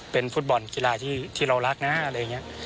เป็นฟุตบอลกีฬาที่เรารักนะอะไรอย่างนี้